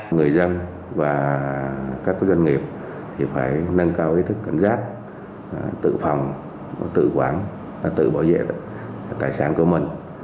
người dân và các doanh nghiệp phải nâng cao ý thức cảnh giác tự phòng tự quản tự bảo vệ tài sản của mình